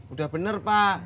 udah bener pak